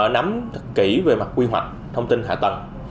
nắm thật kỹ về mặt quy hoạch thông tin hạ tầng